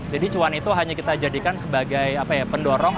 jadi cuan itu hanya kita jadikan sebagai pendorong